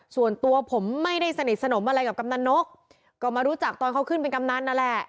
ส่วนตัวผมไม่ได้สนิทสนมอะไรกับกำนันนกก็มารู้จักตอนเขาขึ้นเป็นกำนันนั่นแหละ